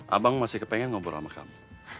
abang masih kepengen ngobrol sama kamu